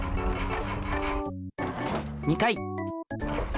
２回。